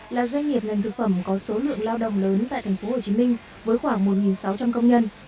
là doanh nghiệp ngành thực phẩm có số lượng lao động lớn tại tp hcm với khoảng một sáu trăm linh công nhân